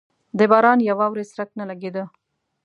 د باران یا واورې څرک نه لګېده.